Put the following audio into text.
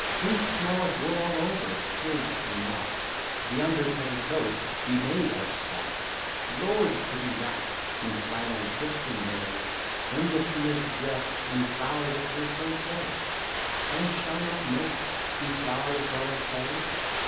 Who'd smell of wool all over? 'Tis enough The under petticoat be made of stuff. Lord! to be wrapt in flannel just in May, When the fields dress'd in flowers appear so gay! And shall not miss be flower'd as well as they?